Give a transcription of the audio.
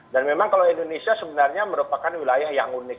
dan memang kalau indonesia sebenarnya merupakan wilayah yang unik